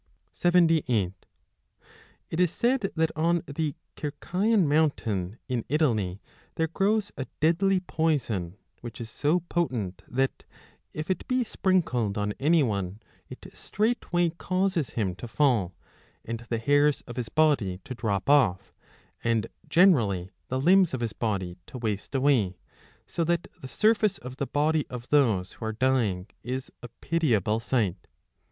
78 It is said that on the Circaean mountain in Italy there 35 grows a deadly poison, which is so potent that, if it be sprinkled on any one, it straightway causes him to fall, and the hairs of his body to drop off, and generally the limbs of his body to waste away, so that the surface of the body of those who are dying is a pitiable sight.